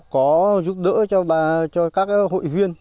có giúp đỡ cho các hội viên